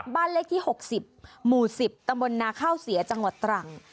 บ้านเลขที่๖๐หมู่๑๐ตำบลนาข้าวเสียจังหวัดตรัง